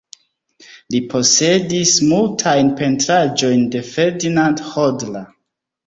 Li posedis multajn pentraĵojn de Ferdinand Hodler.